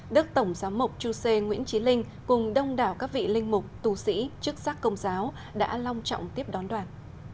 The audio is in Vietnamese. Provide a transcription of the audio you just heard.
đức tổng giám mục chu sê nguyễn trí linh cùng đông đảo các vị linh mục tù sĩ chức sắc công giáo đã long trọng tiếp đón đoàn